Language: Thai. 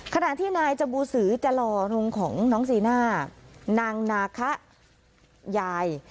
ขณะที่นายจบูสือจะรอลุงของน้องจีน่านางนาคะยาย